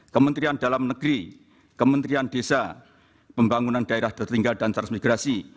kementerian dalam negeri kementerian desa pembangunan daerah tertinggal dan transmigrasi